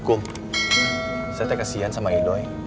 kum saya tak kasihan sama idoi